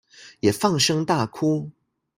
也放聲大哭